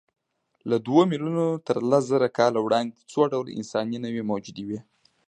له دوو میلیونو تر لسزره کاله وړاندې څو ډوله انساني نوعې موجودې وې.